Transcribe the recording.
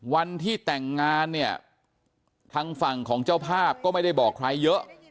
วันที่แต่งงานเนี่ยทางฝั่งของเจ้าภาพก็ไม่ได้บอกใครเยอะ